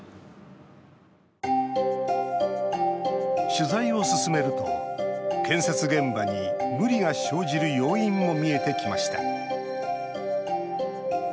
取材を進めると建設現場に無理が生じる要因も見えてきました